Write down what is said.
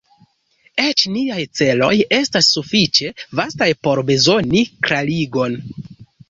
Eĉ niaj celoj estas sufiĉe vastaj por bezoni klarigon.